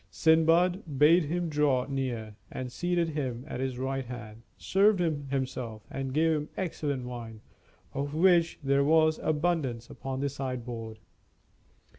Sindbad bade him draw near, and seating him at his right hand, served him himself, and gave him excellent wine, of which there was abundance upon the sideboard.